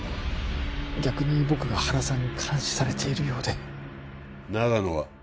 逆に僕が原さんに監視されているようで長野は？